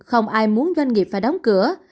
không ai muốn doanh nghiệp phải đóng cửa